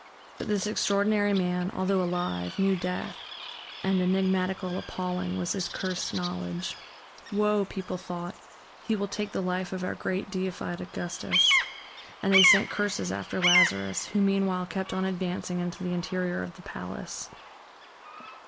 But this extraordinary man, although alive, knew Death, and enigmatical, appalling, was his cursed knowledge. "Woe," people thought, "he will take the life of our great, deified Augustus," and they sent curses after Lazarus, who meanwhile kept on advancing into the interior of the palace.